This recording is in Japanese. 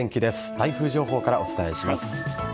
台風情報からお伝えします。